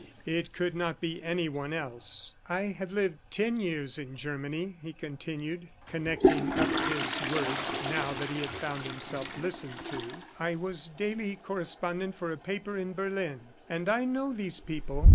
It could not be anyone else. "I have lived ten years in Germany," he continued, connecting up his words, now that he found himself listened to. "I was daily correspondent for a paper in Berlin and I know these people.